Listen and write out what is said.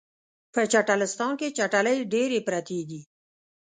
په چټلستان کې چټلۍ ډیرې پراتې دي